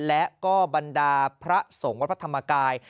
และก็บรรดาพระสงฆ์วัดพระธรรมกาย